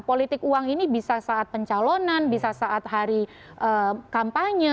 politik uang ini bisa saat pencalonan bisa saat hari kampanye